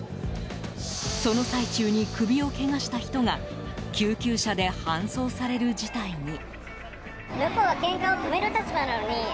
その最中に首をけがした人が救急車で搬送される事態に。